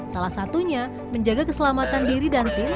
salah satunya menjaga keselamatan diri dan tim